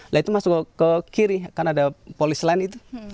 lah itu masuk ke kiri kan ada polis lain itu